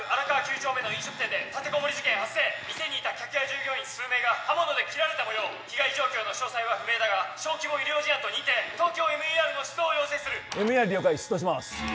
丁目の飲食店で立てこもり事件発生店にいた客や従業員数名が刃物で切られたもよう被害状況の詳細は不明だが小規模医療事案と認定ＴＯＫＹＯＭＥＲの出動を要請するＭＥＲ了解出動します